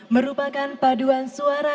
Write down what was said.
merupakan paduan suara